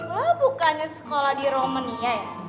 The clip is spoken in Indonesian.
lo bukanya sekolah di romania ya